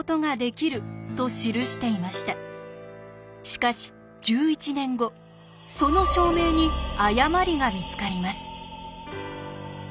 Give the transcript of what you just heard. しかし１１年後その証明に誤りが見つかります。